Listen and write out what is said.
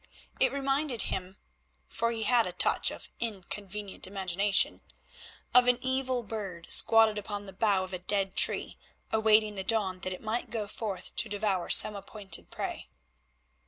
It reminded him—for he had a touch of inconvenient imagination—of an evil bird squatted upon the bough of a dead tree awaiting the dawn that it might go forth to devour some appointed prey.